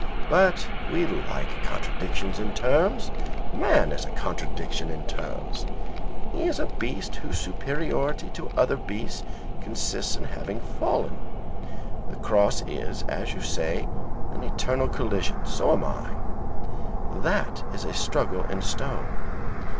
"But we like contradictions in terms. Man is a contradiction in terms; he is a beast whose superiority to other beasts consists in having fallen. That cross is, as you say, an eternal collision; so am I. That is a struggle in stone.